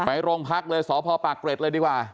ไปโรงพักษ์เลยสพเกร็ดเลยดีกว่า